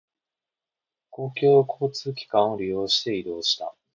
公共交通機関を利用して移動した。